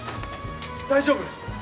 大丈夫！？